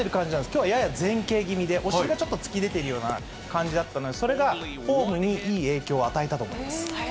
きょうはやや前傾気味で、お尻もちょっと突き出てるような感じだったので、それがフォームにいい影響を与えたと思います。